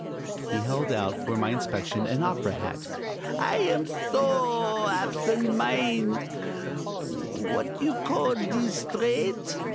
He held out, for my inspection, an opera hat. "I am so absent mind' what you call deestrait?"